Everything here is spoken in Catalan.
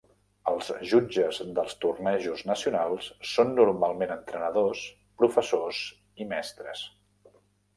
Els jutges dels tornejos nacionals són normalment entrenadors, professors i mestres.